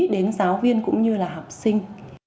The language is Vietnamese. đến giáo viên cũng như là học sinh